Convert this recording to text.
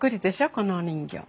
このお人形。